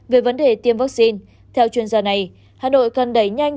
về vấn đề tiêm vaccine theo chuyên gia này hà nội cần đẩy nhanh